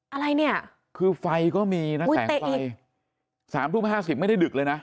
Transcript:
อะไรเนี่ยคือไฟก็มีนะแสงไฟ๓ทุ่ม๕๐ไม่ได้ดึกเลยนะ